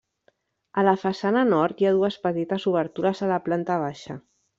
A la façana nord, hi ha dues petites obertures a la planta baixa.